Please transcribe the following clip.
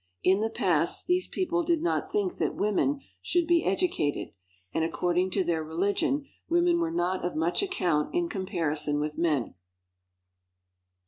In the past these people did not think that women should be edu cated, and according to their religion women were not of much account in comparison with men.